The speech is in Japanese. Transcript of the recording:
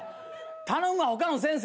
頼むわ他の先生。